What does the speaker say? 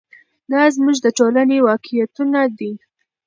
دا زموږ د ټولنې واقعیتونه دي.